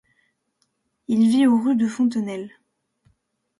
Il vit au rue de Fontenelle.